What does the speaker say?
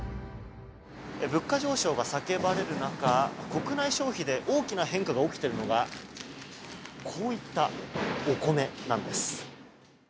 物価上昇が叫ばれる中国内消費で大きな変化が起きているのがこういったお米なんです。